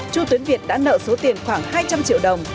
chú tuấn việt đã nợ số tiền khoảng hai trăm linh triệu đồng